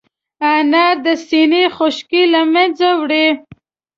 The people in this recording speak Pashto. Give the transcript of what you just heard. انار د سينې خشکي له منځه وړي.